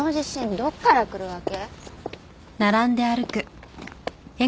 どっから来るわけ？